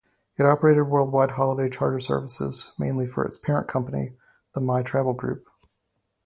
It operated worldwide holiday charter services mainly for its parent company, the MyTravel Group.